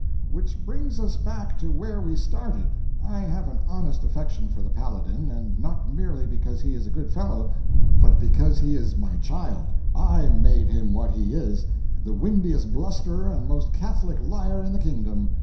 "Which brings us back to where we started. I have an honest affection for the Paladin, and not merely because he is a good fellow, but because he is my child—I made him what he is, the windiest blusterer and most catholic liar in the kingdom.